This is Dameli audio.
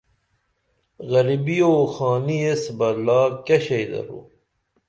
غریبی او خانی ایس بہ لا کیہ شئی دور